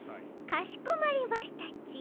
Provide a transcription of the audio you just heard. かしこまりましたち。